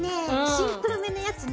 シンプルめのやつね。